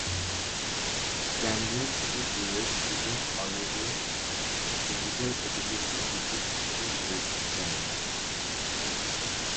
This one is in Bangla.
কেমব্রিজ থেকে ফিরে ইডেন কলেজে ফিজিক্যাল এডুকেশন টিচার হিসেবে যোগ দেন।